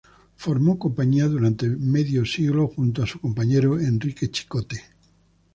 Formó compañía durante medio siglo junto a su compañero Enrique Chicote.